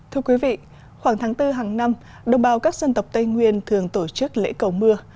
thưa quý vị khoảng tháng bốn hàng năm đồng bào các dân tộc tây nguyên thường tổ chức lễ cầu mưa